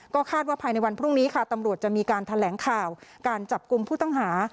ก็คาดว่าภายในวันพรุ่งนี้ค่ะตำรวจจะมีการแถลงข่าวการจับกลุ่มผู้ต้องหา